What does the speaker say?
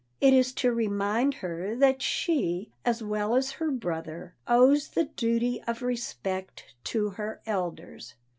It is to remind her that she, as well as her brother, owes the duty of respect to her elders.